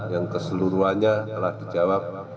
yang keseluruhannya telah dijawab